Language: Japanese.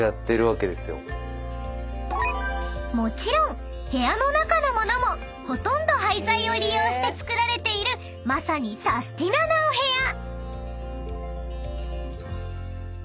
［もちろん部屋の中の物もほとんど廃材を利用して作られているまさにサスティななお部屋］